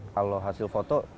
kalau hasil foto